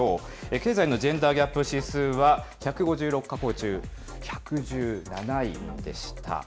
経済のジェンダーギャップ指数は、１５６か国中１１７位でした。